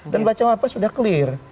dan baca press sudah clear